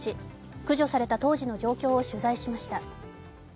駆除された当時の状況を取材しました。